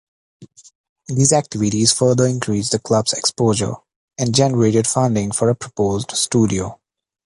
These activities further increased the club's exposure, and generated funding for a proposed studio.